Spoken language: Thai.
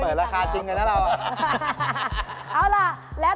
เปิดราคาจริงกันน่าเรา